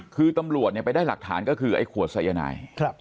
คือตำรวจไปได้หลักฐานก็คือไอ้ขวดสายนาย